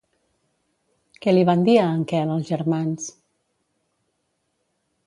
Què li van dir a en Quel els germans?